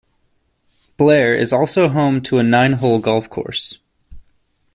Blair is also home to a nine-hole golf course.